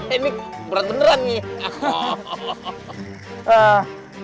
ini berat beneran nih